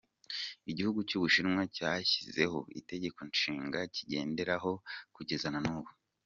Igihugu cy’u Bushinwa cyashyizeho itegekonshinga kikigenderaho kugeza n’ubu.